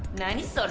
それ。